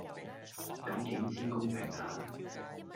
咁點先公平呀?